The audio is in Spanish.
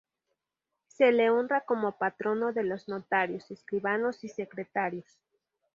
Se le honra como patrono de los notarios, escribanos y secretarios.